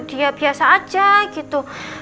habis itu dia biasa aja gitu